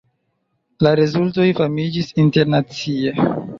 La rezultoj famiĝis internacie.